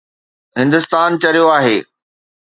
هندستان چريو آهي